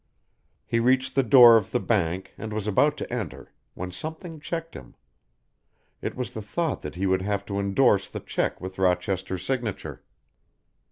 He reached the door of the bank and was about to enter, when something checked him. It was the thought that he would have to endorse the cheque with Rochester's signature.